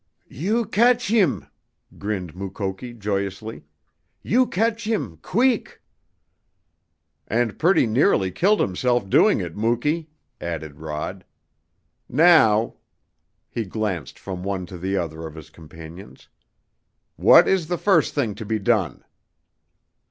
"You catch heem," grinned Mukoki joyously. "You catch heem queek!" "And pretty nearly killed himself doing it, Muky," added Rod. "Now " he glanced from one to the other of his companions, "what is the first thing to be done?"